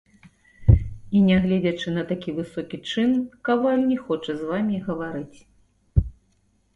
І нягледзячы на такі высокі чын каваль не хоча з вамі гаварыць.